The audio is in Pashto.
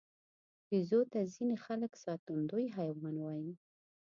بیزو ته ځینې خلک ساتندوی حیوان وایي.